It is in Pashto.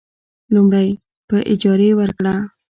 لومړی: په اجارې ورکړه.